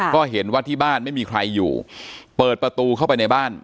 ก็เห็นว่าที่บ้านไม่มีใครอยู่เปิดประตูเข้าไปในบ้าน